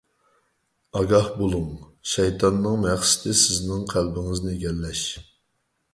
ئاگاھ بولۇڭ! شەيتاننىڭ مەقسىتى — سىزنىڭ قەلبىڭىزنى ئىگىلەش.